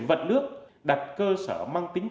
vận nước đặt cơ sở mang tính